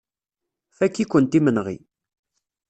Fakk-ikent imenɣi.